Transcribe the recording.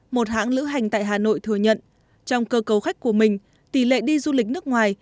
một hãng lữ hành tại hà nội thừa nhận trong cơ cấu khách của mình tỷ lệ đi du lịch nước ngoài